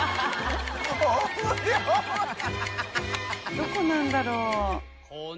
どこなんだろう？